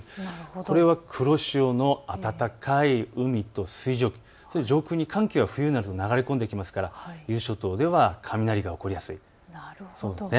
これは黒潮の暖かい海と水蒸気、上空に寒気が冬の間流れ込んできますから伊豆諸島では雷が起こりやすい。